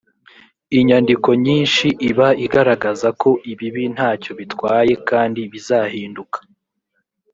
inyandiko nyinshi iba igaragaza ko ibibi nta cyo bitwaye kandi bizahinduka